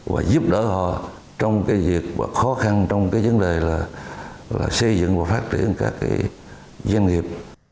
và giúp đỡ họ trong cái việc và khó khăn trong cái vấn đề là xây dựng và phát triển các doanh nghiệp